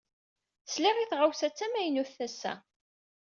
Sliɣ i tɣawsa d tamaynut ass-a.